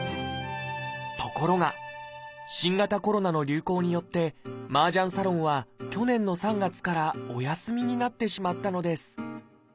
ところが新型コロナの流行によって麻雀サロンは去年の３月からお休みになってしまったのです。